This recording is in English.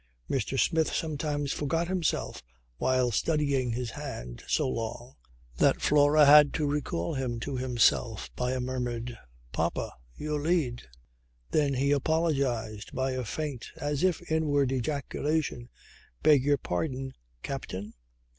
Mr. Smith sometimes forgot himself while studying his hand so long that Flora had to recall him to himself by a murmured "Papa your lead." Then he apologized by a faint as if inward ejaculation "Beg your pardon, Captain."